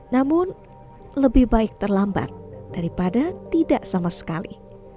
namun lebih baik terlambat daripada tidak sama sekali